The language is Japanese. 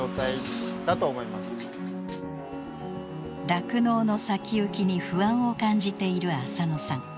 酪農の先行きに不安を感じている浅野さん。